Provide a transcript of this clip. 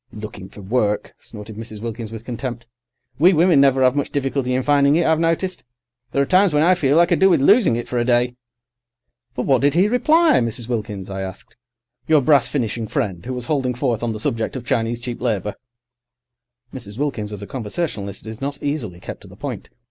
"Looking for work!" snorted Mrs. Wilkins with contempt; "we women never 'ave much difficulty in finding it, I've noticed. There are times when I feel I could do with losing it for a day." "But what did he reply, Mrs. Wilkins," I asked; "your brass finishing friend, who was holding forth on the subject of Chinese cheap labour." Mrs. Wilkins as a conversationalist is not easily kept to the point.